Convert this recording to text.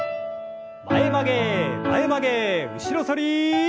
前曲げ前曲げ後ろ反り。